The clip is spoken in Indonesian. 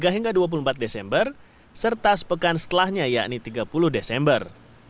dua puluh hingga dua puluh empat desember serta sepekan setelahnya yakni tiga puluh desember